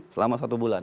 selama satu bulan